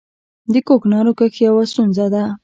د کوکنارو کښت یوه ستونزه ده